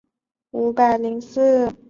该机场曾经用作英国皇家空军的。